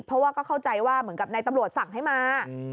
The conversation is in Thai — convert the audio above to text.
เพราะว่าก็เข้าใจว่าเหมือนกับนายตำรวจสั่งให้มา